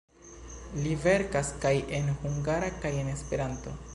Li verkas kaj en hungara kaj en Esperanto.